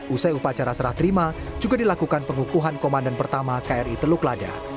usai upacara serah terima juga dilakukan pengukuhan komandan pertama kri teluk lada